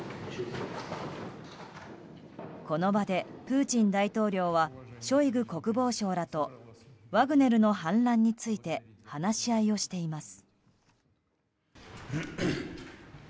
この場でプーチン大統領はショイグ国防相らとワグネルの反乱について話し合いをしています。